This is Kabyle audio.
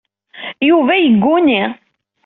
Yuba yegguni.